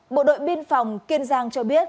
bộ đội biên phòng kiên giang cho biết